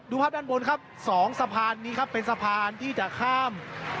ภาพด้านบนครับสองสะพานนี้ครับเป็นสะพานที่จะข้าม